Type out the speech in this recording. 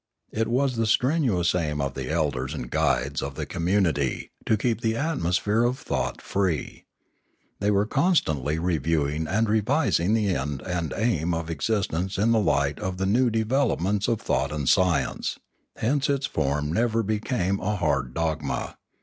It was the strenuous aim of the elders and guides of the community to keep the atmosphere of thought free. They were constantly reviewing and revising the end and aim of existence in the light of the new develop ments of thought and science; hence its form never became a hard dogma.